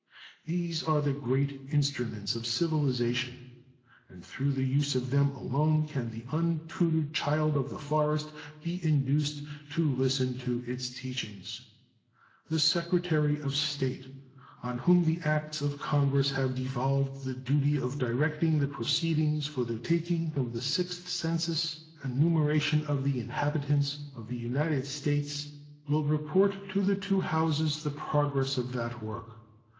These are the great instruments of civilization, and through the use of them alone can the untutored child of the forest be induced to listen to its teachings. The Secretary of State, on whom the acts of Congress have devolved the duty of directing the proceedings for the taking of the sixth census or enumeration of the inhabitants of the United States, will report to the two Houses the progress of that work.